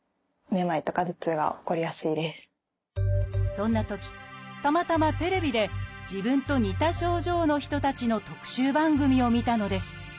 そんなときたまたまテレビで自分と似た症状の人たちの特集番組を見たのです。